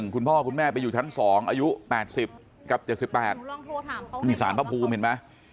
คุณพ่อคุณแม่ไปอยู่ชั้น๒อายุ๘๐กับ๗๘นี่สารพระภูมิเห็นไหม